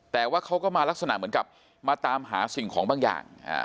แต่ว่าเขาก็มาลักษณะเหมือนกับมาตามหาสิ่งของบางอย่าง